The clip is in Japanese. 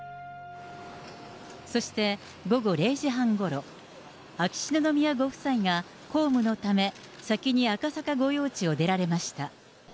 そして、午後０時半ごろ、秋篠宮ご夫妻が公務のため、先に赤坂御用地を出られました。